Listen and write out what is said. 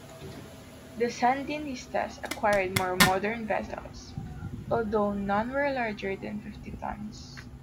The Sandinistas acquired more modern vessels, although none were larger than fifty tons.